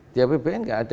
di apbn nggak ada